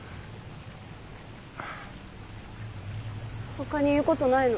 ほかに言うことないの？